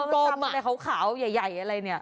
ลมอะไรขาวใหญ่อะไรเนี่ย